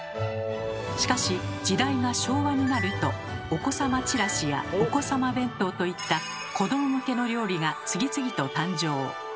しかし時代が昭和になると「御子様ちらし」や「御子様弁当」といった子ども向けの料理が次々と誕生。